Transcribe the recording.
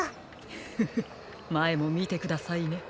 フフフまえもみてくださいね。